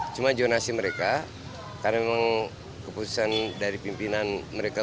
cuma jonasi mereka karena memang keputusan dari pimpinan mereka